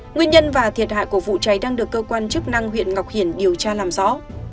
nguyên nhân và thiệt hại của vụ cháy đang được cơ quan chức năng huyện ngọc hiển điều tra làm rõ